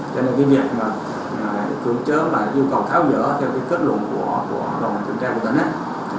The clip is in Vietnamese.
cho nên việc cưỡng trớn và dưu cầu tháo gỡ theo kết luận của đồng truyền trang quân tấn